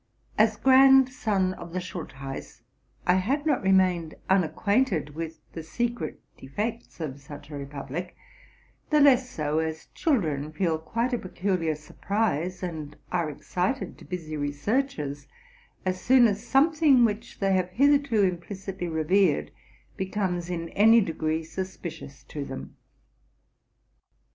As grandson of the Schultheiss I had not remained unacquainted with the secret defects of such a republic; the less so, as children feel quite a peculiar surprise, and are excited to busy researches, as soon as something which they have hith erto implicitly revered becomes in any degree suspicious to them.